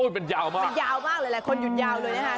มันเยาวมากเลยค่ะวันหยุดยาวนะครับ